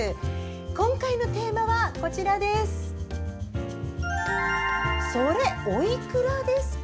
今回のテーマは「それ、おいくらですか？」。